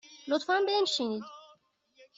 لطفاً بنشینید.